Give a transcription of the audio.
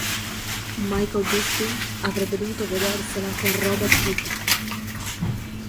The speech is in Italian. Michael Bisping avrebbe dovuto vedersela con Robert Whittaker.